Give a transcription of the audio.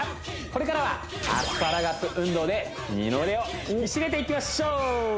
これからはアスパラガス運動で二の腕を引き締めていきましょう！